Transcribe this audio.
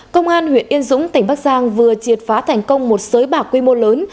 công an huyện yên dũng tỉnh bắc giang vừa triệt phá thành công một sới bạc quy mô lớn